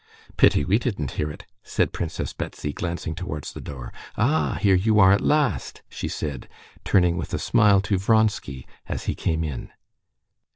"Pity we didn't hear it!" said Princess Betsy, glancing towards the door. "Ah, here you are at last!" she said, turning with a smile to Vronsky, as he came in.